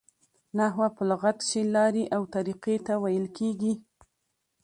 نحوه په لغت کښي لاري او طریقې ته ویل کیږي.